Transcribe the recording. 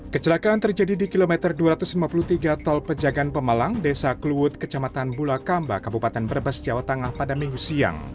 kecelakaan terjadi di kilometer dua ratus lima puluh tiga tol pejagaan pemalang desa kluwut kecamatan bulakamba kabupaten brebes jawa tengah pada minggu siang